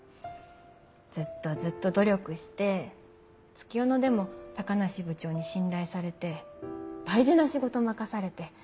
ずっとずっと努力して月夜野でも高梨部長に信頼されて大事な仕事任されて。